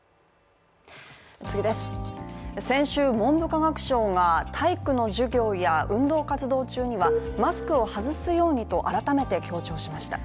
先週、文部科学省が体育の授業や運動活動中にはマスクを外すようにと改めて強調しました。